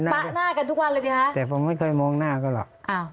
ป๊ะหน้ากันทุกวันเลยสิฮะแต่ผมไม่เคยมองหน้าก็หรอก